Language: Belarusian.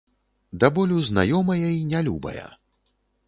Да болю знаёмая і нялюбая.